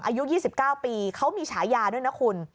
อายุ๒๙ปีเขามีฉายาด้วยนะคุณ